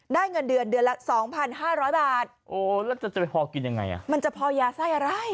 เงินเดือนเดือนละสองพันห้าร้อยบาทโอ้แล้วจะไปพอกินยังไงอ่ะมันจะพอยาไส้อะไร